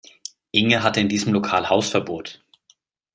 Inge hatte in diesem Lokal Hausverbot